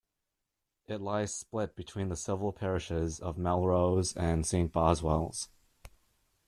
It lies split between the civil parishes of Melrose and St Boswells.